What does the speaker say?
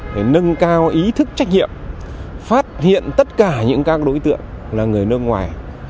để nâng cao ý thức trách nhiệm phát hiện tất cả những các đối tượng là người nước ngoài